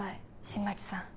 新町さん